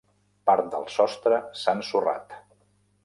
Part del sostre s'ha ensorrat.